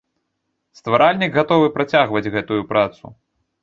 Стваральнік гатовы працягваць гэтую працу.